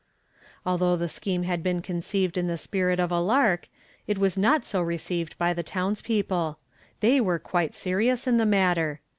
Although the scheme had been conceived in the spirit of a lark it was not so received by the townspeople. They were quite serious in the matter.